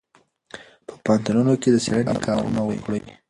په پوهنتونونو کې د څېړنې کارونه وکړئ.